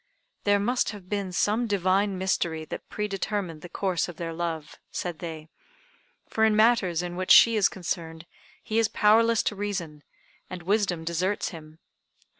"There must have been some divine mystery that predetermined the course of their love," said they, "for in matters in which she is concerned he is powerless to reason, and wisdom deserts him.